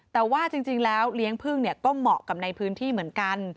แต่ว่าจริงแล้วเลี้ยงพึ่งก็เหมาะกับในพื้นที่เหมือนกัน